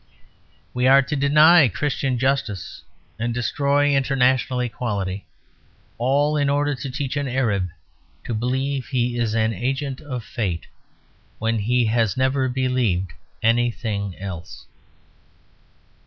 We are to deny Christian justice and destroy international equality, all in order to teach an Arab to believe he is "an agent of fate," when he has never believed anything else.